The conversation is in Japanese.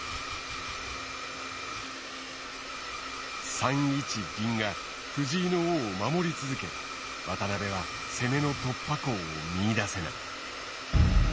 ３一銀が藤井の王を守り続け渡辺は攻めの突破口を見いだせない。